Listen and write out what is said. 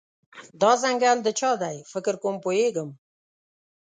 دا ځنګل د چا دی، فکر کوم پوهیږم